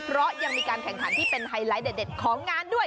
เพราะยังมีการแข่งขันที่เป็นไฮไลท์เด็ดของงานด้วย